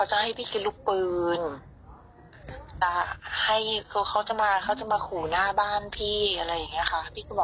หลายข้อความเลยค่ะ